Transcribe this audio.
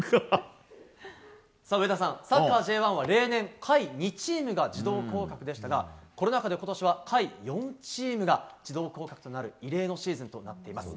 上田さん、サッカーＪ１は例年、下位２チームが自動降格でしたがコロナ禍で今年は下位４チームが自動降格となる異例のシーズンとなっています。